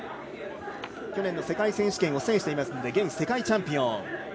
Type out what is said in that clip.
去年の世界選手権を制していますので現世界チャンピオン。